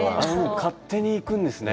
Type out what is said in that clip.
勝手に行くんですね。